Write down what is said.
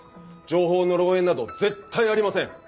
情報の漏洩など絶対ありません！